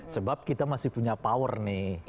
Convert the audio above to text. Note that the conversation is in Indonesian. sebab kita masih punya power nih